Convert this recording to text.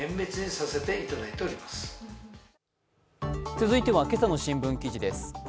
続いては今朝の新聞記事です。